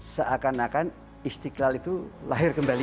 seakan akan istiqlal itu lahir kembali